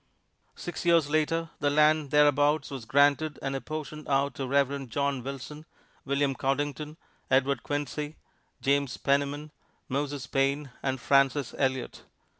Six years later, the land thereabouts was granted and apportioned out to the Reverend John Wilson, William Coddington, Edward Quinsey, James Penniman, Moses Payne and Francis Eliot.